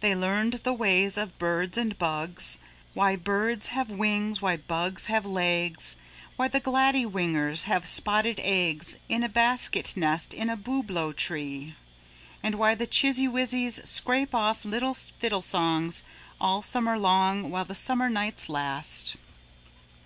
They learned the ways of birds and bugs, why birds have wings, why bugs have legs, why the gladdywhingers have spotted eggs in a basket nest in a booblow tree, and why the chizzywhizzies scrape off little fiddle songs all summer long while the summer nights last.